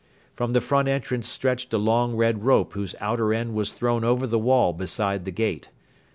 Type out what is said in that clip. From the front entrance stretched a long red rope whose outer end was thrown over the wall beside the gate.